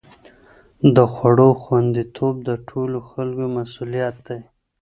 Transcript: د خوړو خوندي توب د ټولو خلکو مسؤلیت دی.